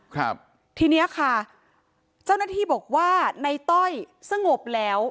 ครับทีเนี้ยค่ะเจ้าหน้าที่บอกว่าในต้อยสงบแล้ว